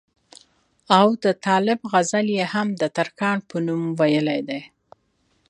او د طالب غزلې ئې هم دترکاڼ پۀ نوم وئيلي دي